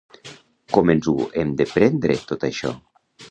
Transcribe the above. Com ens ho hem de prendre tot això?